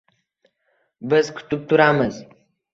Biz kutib turamiz.